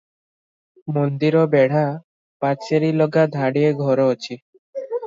ମନ୍ଦିର ବେଢ଼ା ପାଚେରିଲଗା ଧାଡ଼ିଏ ଘର ଅଛି ।